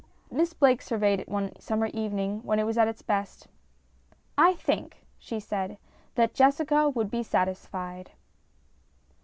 Miss Blake surveyed it one summer evening when it was at its best. " I think," she said, " that Jessica would be satisfied."